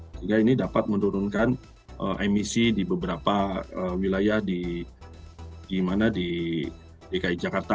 sehingga ini dapat menurunkan emisi di beberapa wilayah di dki jakarta